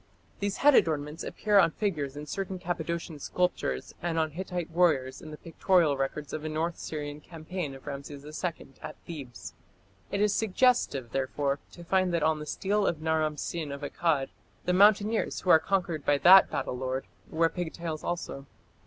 These head adornments appear on figures in certain Cappadocian sculptures and on Hittite warriors in the pictorial records of a north Syrian campaign of Rameses II at Thebes. It is suggestive, therefore, to find that on the stele of Naram Sin of Akkad, the mountaineers who are conquered by that battle lord wear pigtails also.